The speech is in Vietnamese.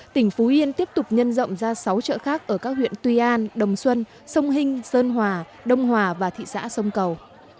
tỉnh phú yên tiếp tục nhân rộng ra sáu chợ khác ở các huyện tuy an đồng xuân sông hinh sơn hòa đông hòa và thị xã sông cầu